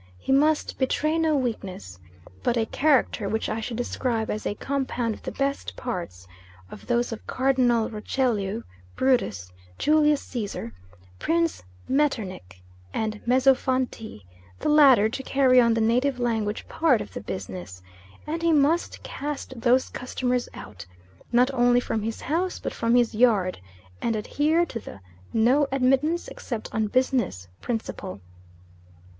He must betray no weakness, but a character which I should describe as a compound of the best parts of those of Cardinal Richelieu, Brutus, Julius Caesar, Prince Metternich, and Mezzofanti, the latter to carry on the native language part of the business; and he must cast those customers out, not only from his house; but from his yard; and adhere to the "No admittance except on business" principle.